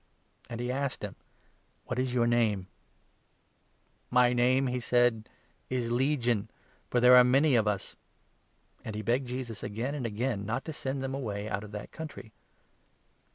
9 And he asked him :" What is your name ?" "My name," he said, "is Legion, for there are many of us ;" and he begged Jesus again and again not to send them 10 away out of that country.